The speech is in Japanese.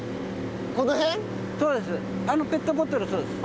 あのペットボトルそうです。